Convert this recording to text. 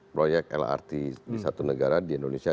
proyek lrt di satu negara di indonesia